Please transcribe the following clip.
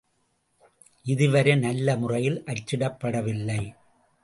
இதுவரை நல்ல முறையில் அச்சிடப்படவில்லை.